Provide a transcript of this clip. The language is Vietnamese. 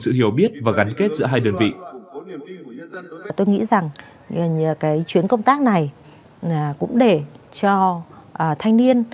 sự hiểu biết và gắn kết giữa hai đơn vị